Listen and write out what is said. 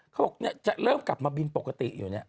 เขาบอกจะเริ่มกลับมาบินปกติอยู่เนี่ย